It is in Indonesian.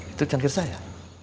itu cangkir saya